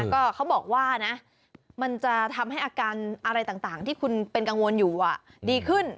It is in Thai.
ก็เขาบอกว่านะมันจะทำให้อาการอะไรต่างที่คุณเป็นกังวลอยู่ดีขึ้น